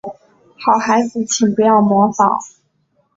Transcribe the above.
好孩子请不要模仿